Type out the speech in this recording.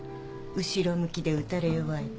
後ろ向きで打たれ弱いって。